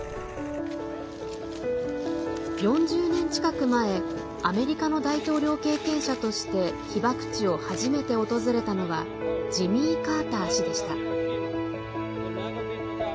４０年近く前アメリカの大統領経験者として被爆地を初めて訪れたのはジミー・カーター氏でした。